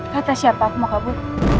kata siapa aku mau kabur